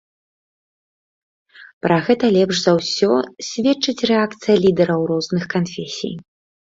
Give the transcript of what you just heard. Пра гэта лепш за ўсё сведчыць рэакцыя лідараў розных канфесій.